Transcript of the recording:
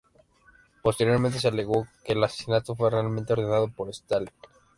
Posteriormente se alegó que el asesinato fue realmente ordenado por Stalin.